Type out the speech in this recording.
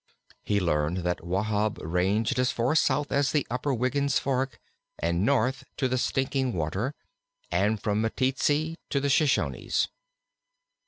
He learned that Wahb ranged as far south as the Upper Wiggins Fork and north to the Stinking Water, and from the Meteetsee to the Shoshones.